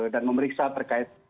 dan memeriksa terkait